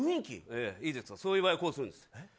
いいですかそういう場合はこうするんです。